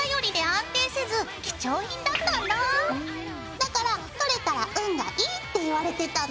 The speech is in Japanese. だからとれたら運がいいっていわれてたの！